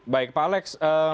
baik pak alex